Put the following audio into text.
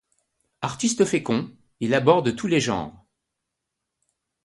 Artiste fécond, il aborde tous les genres.